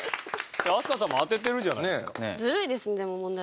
飛鳥さんも当ててるじゃないですか。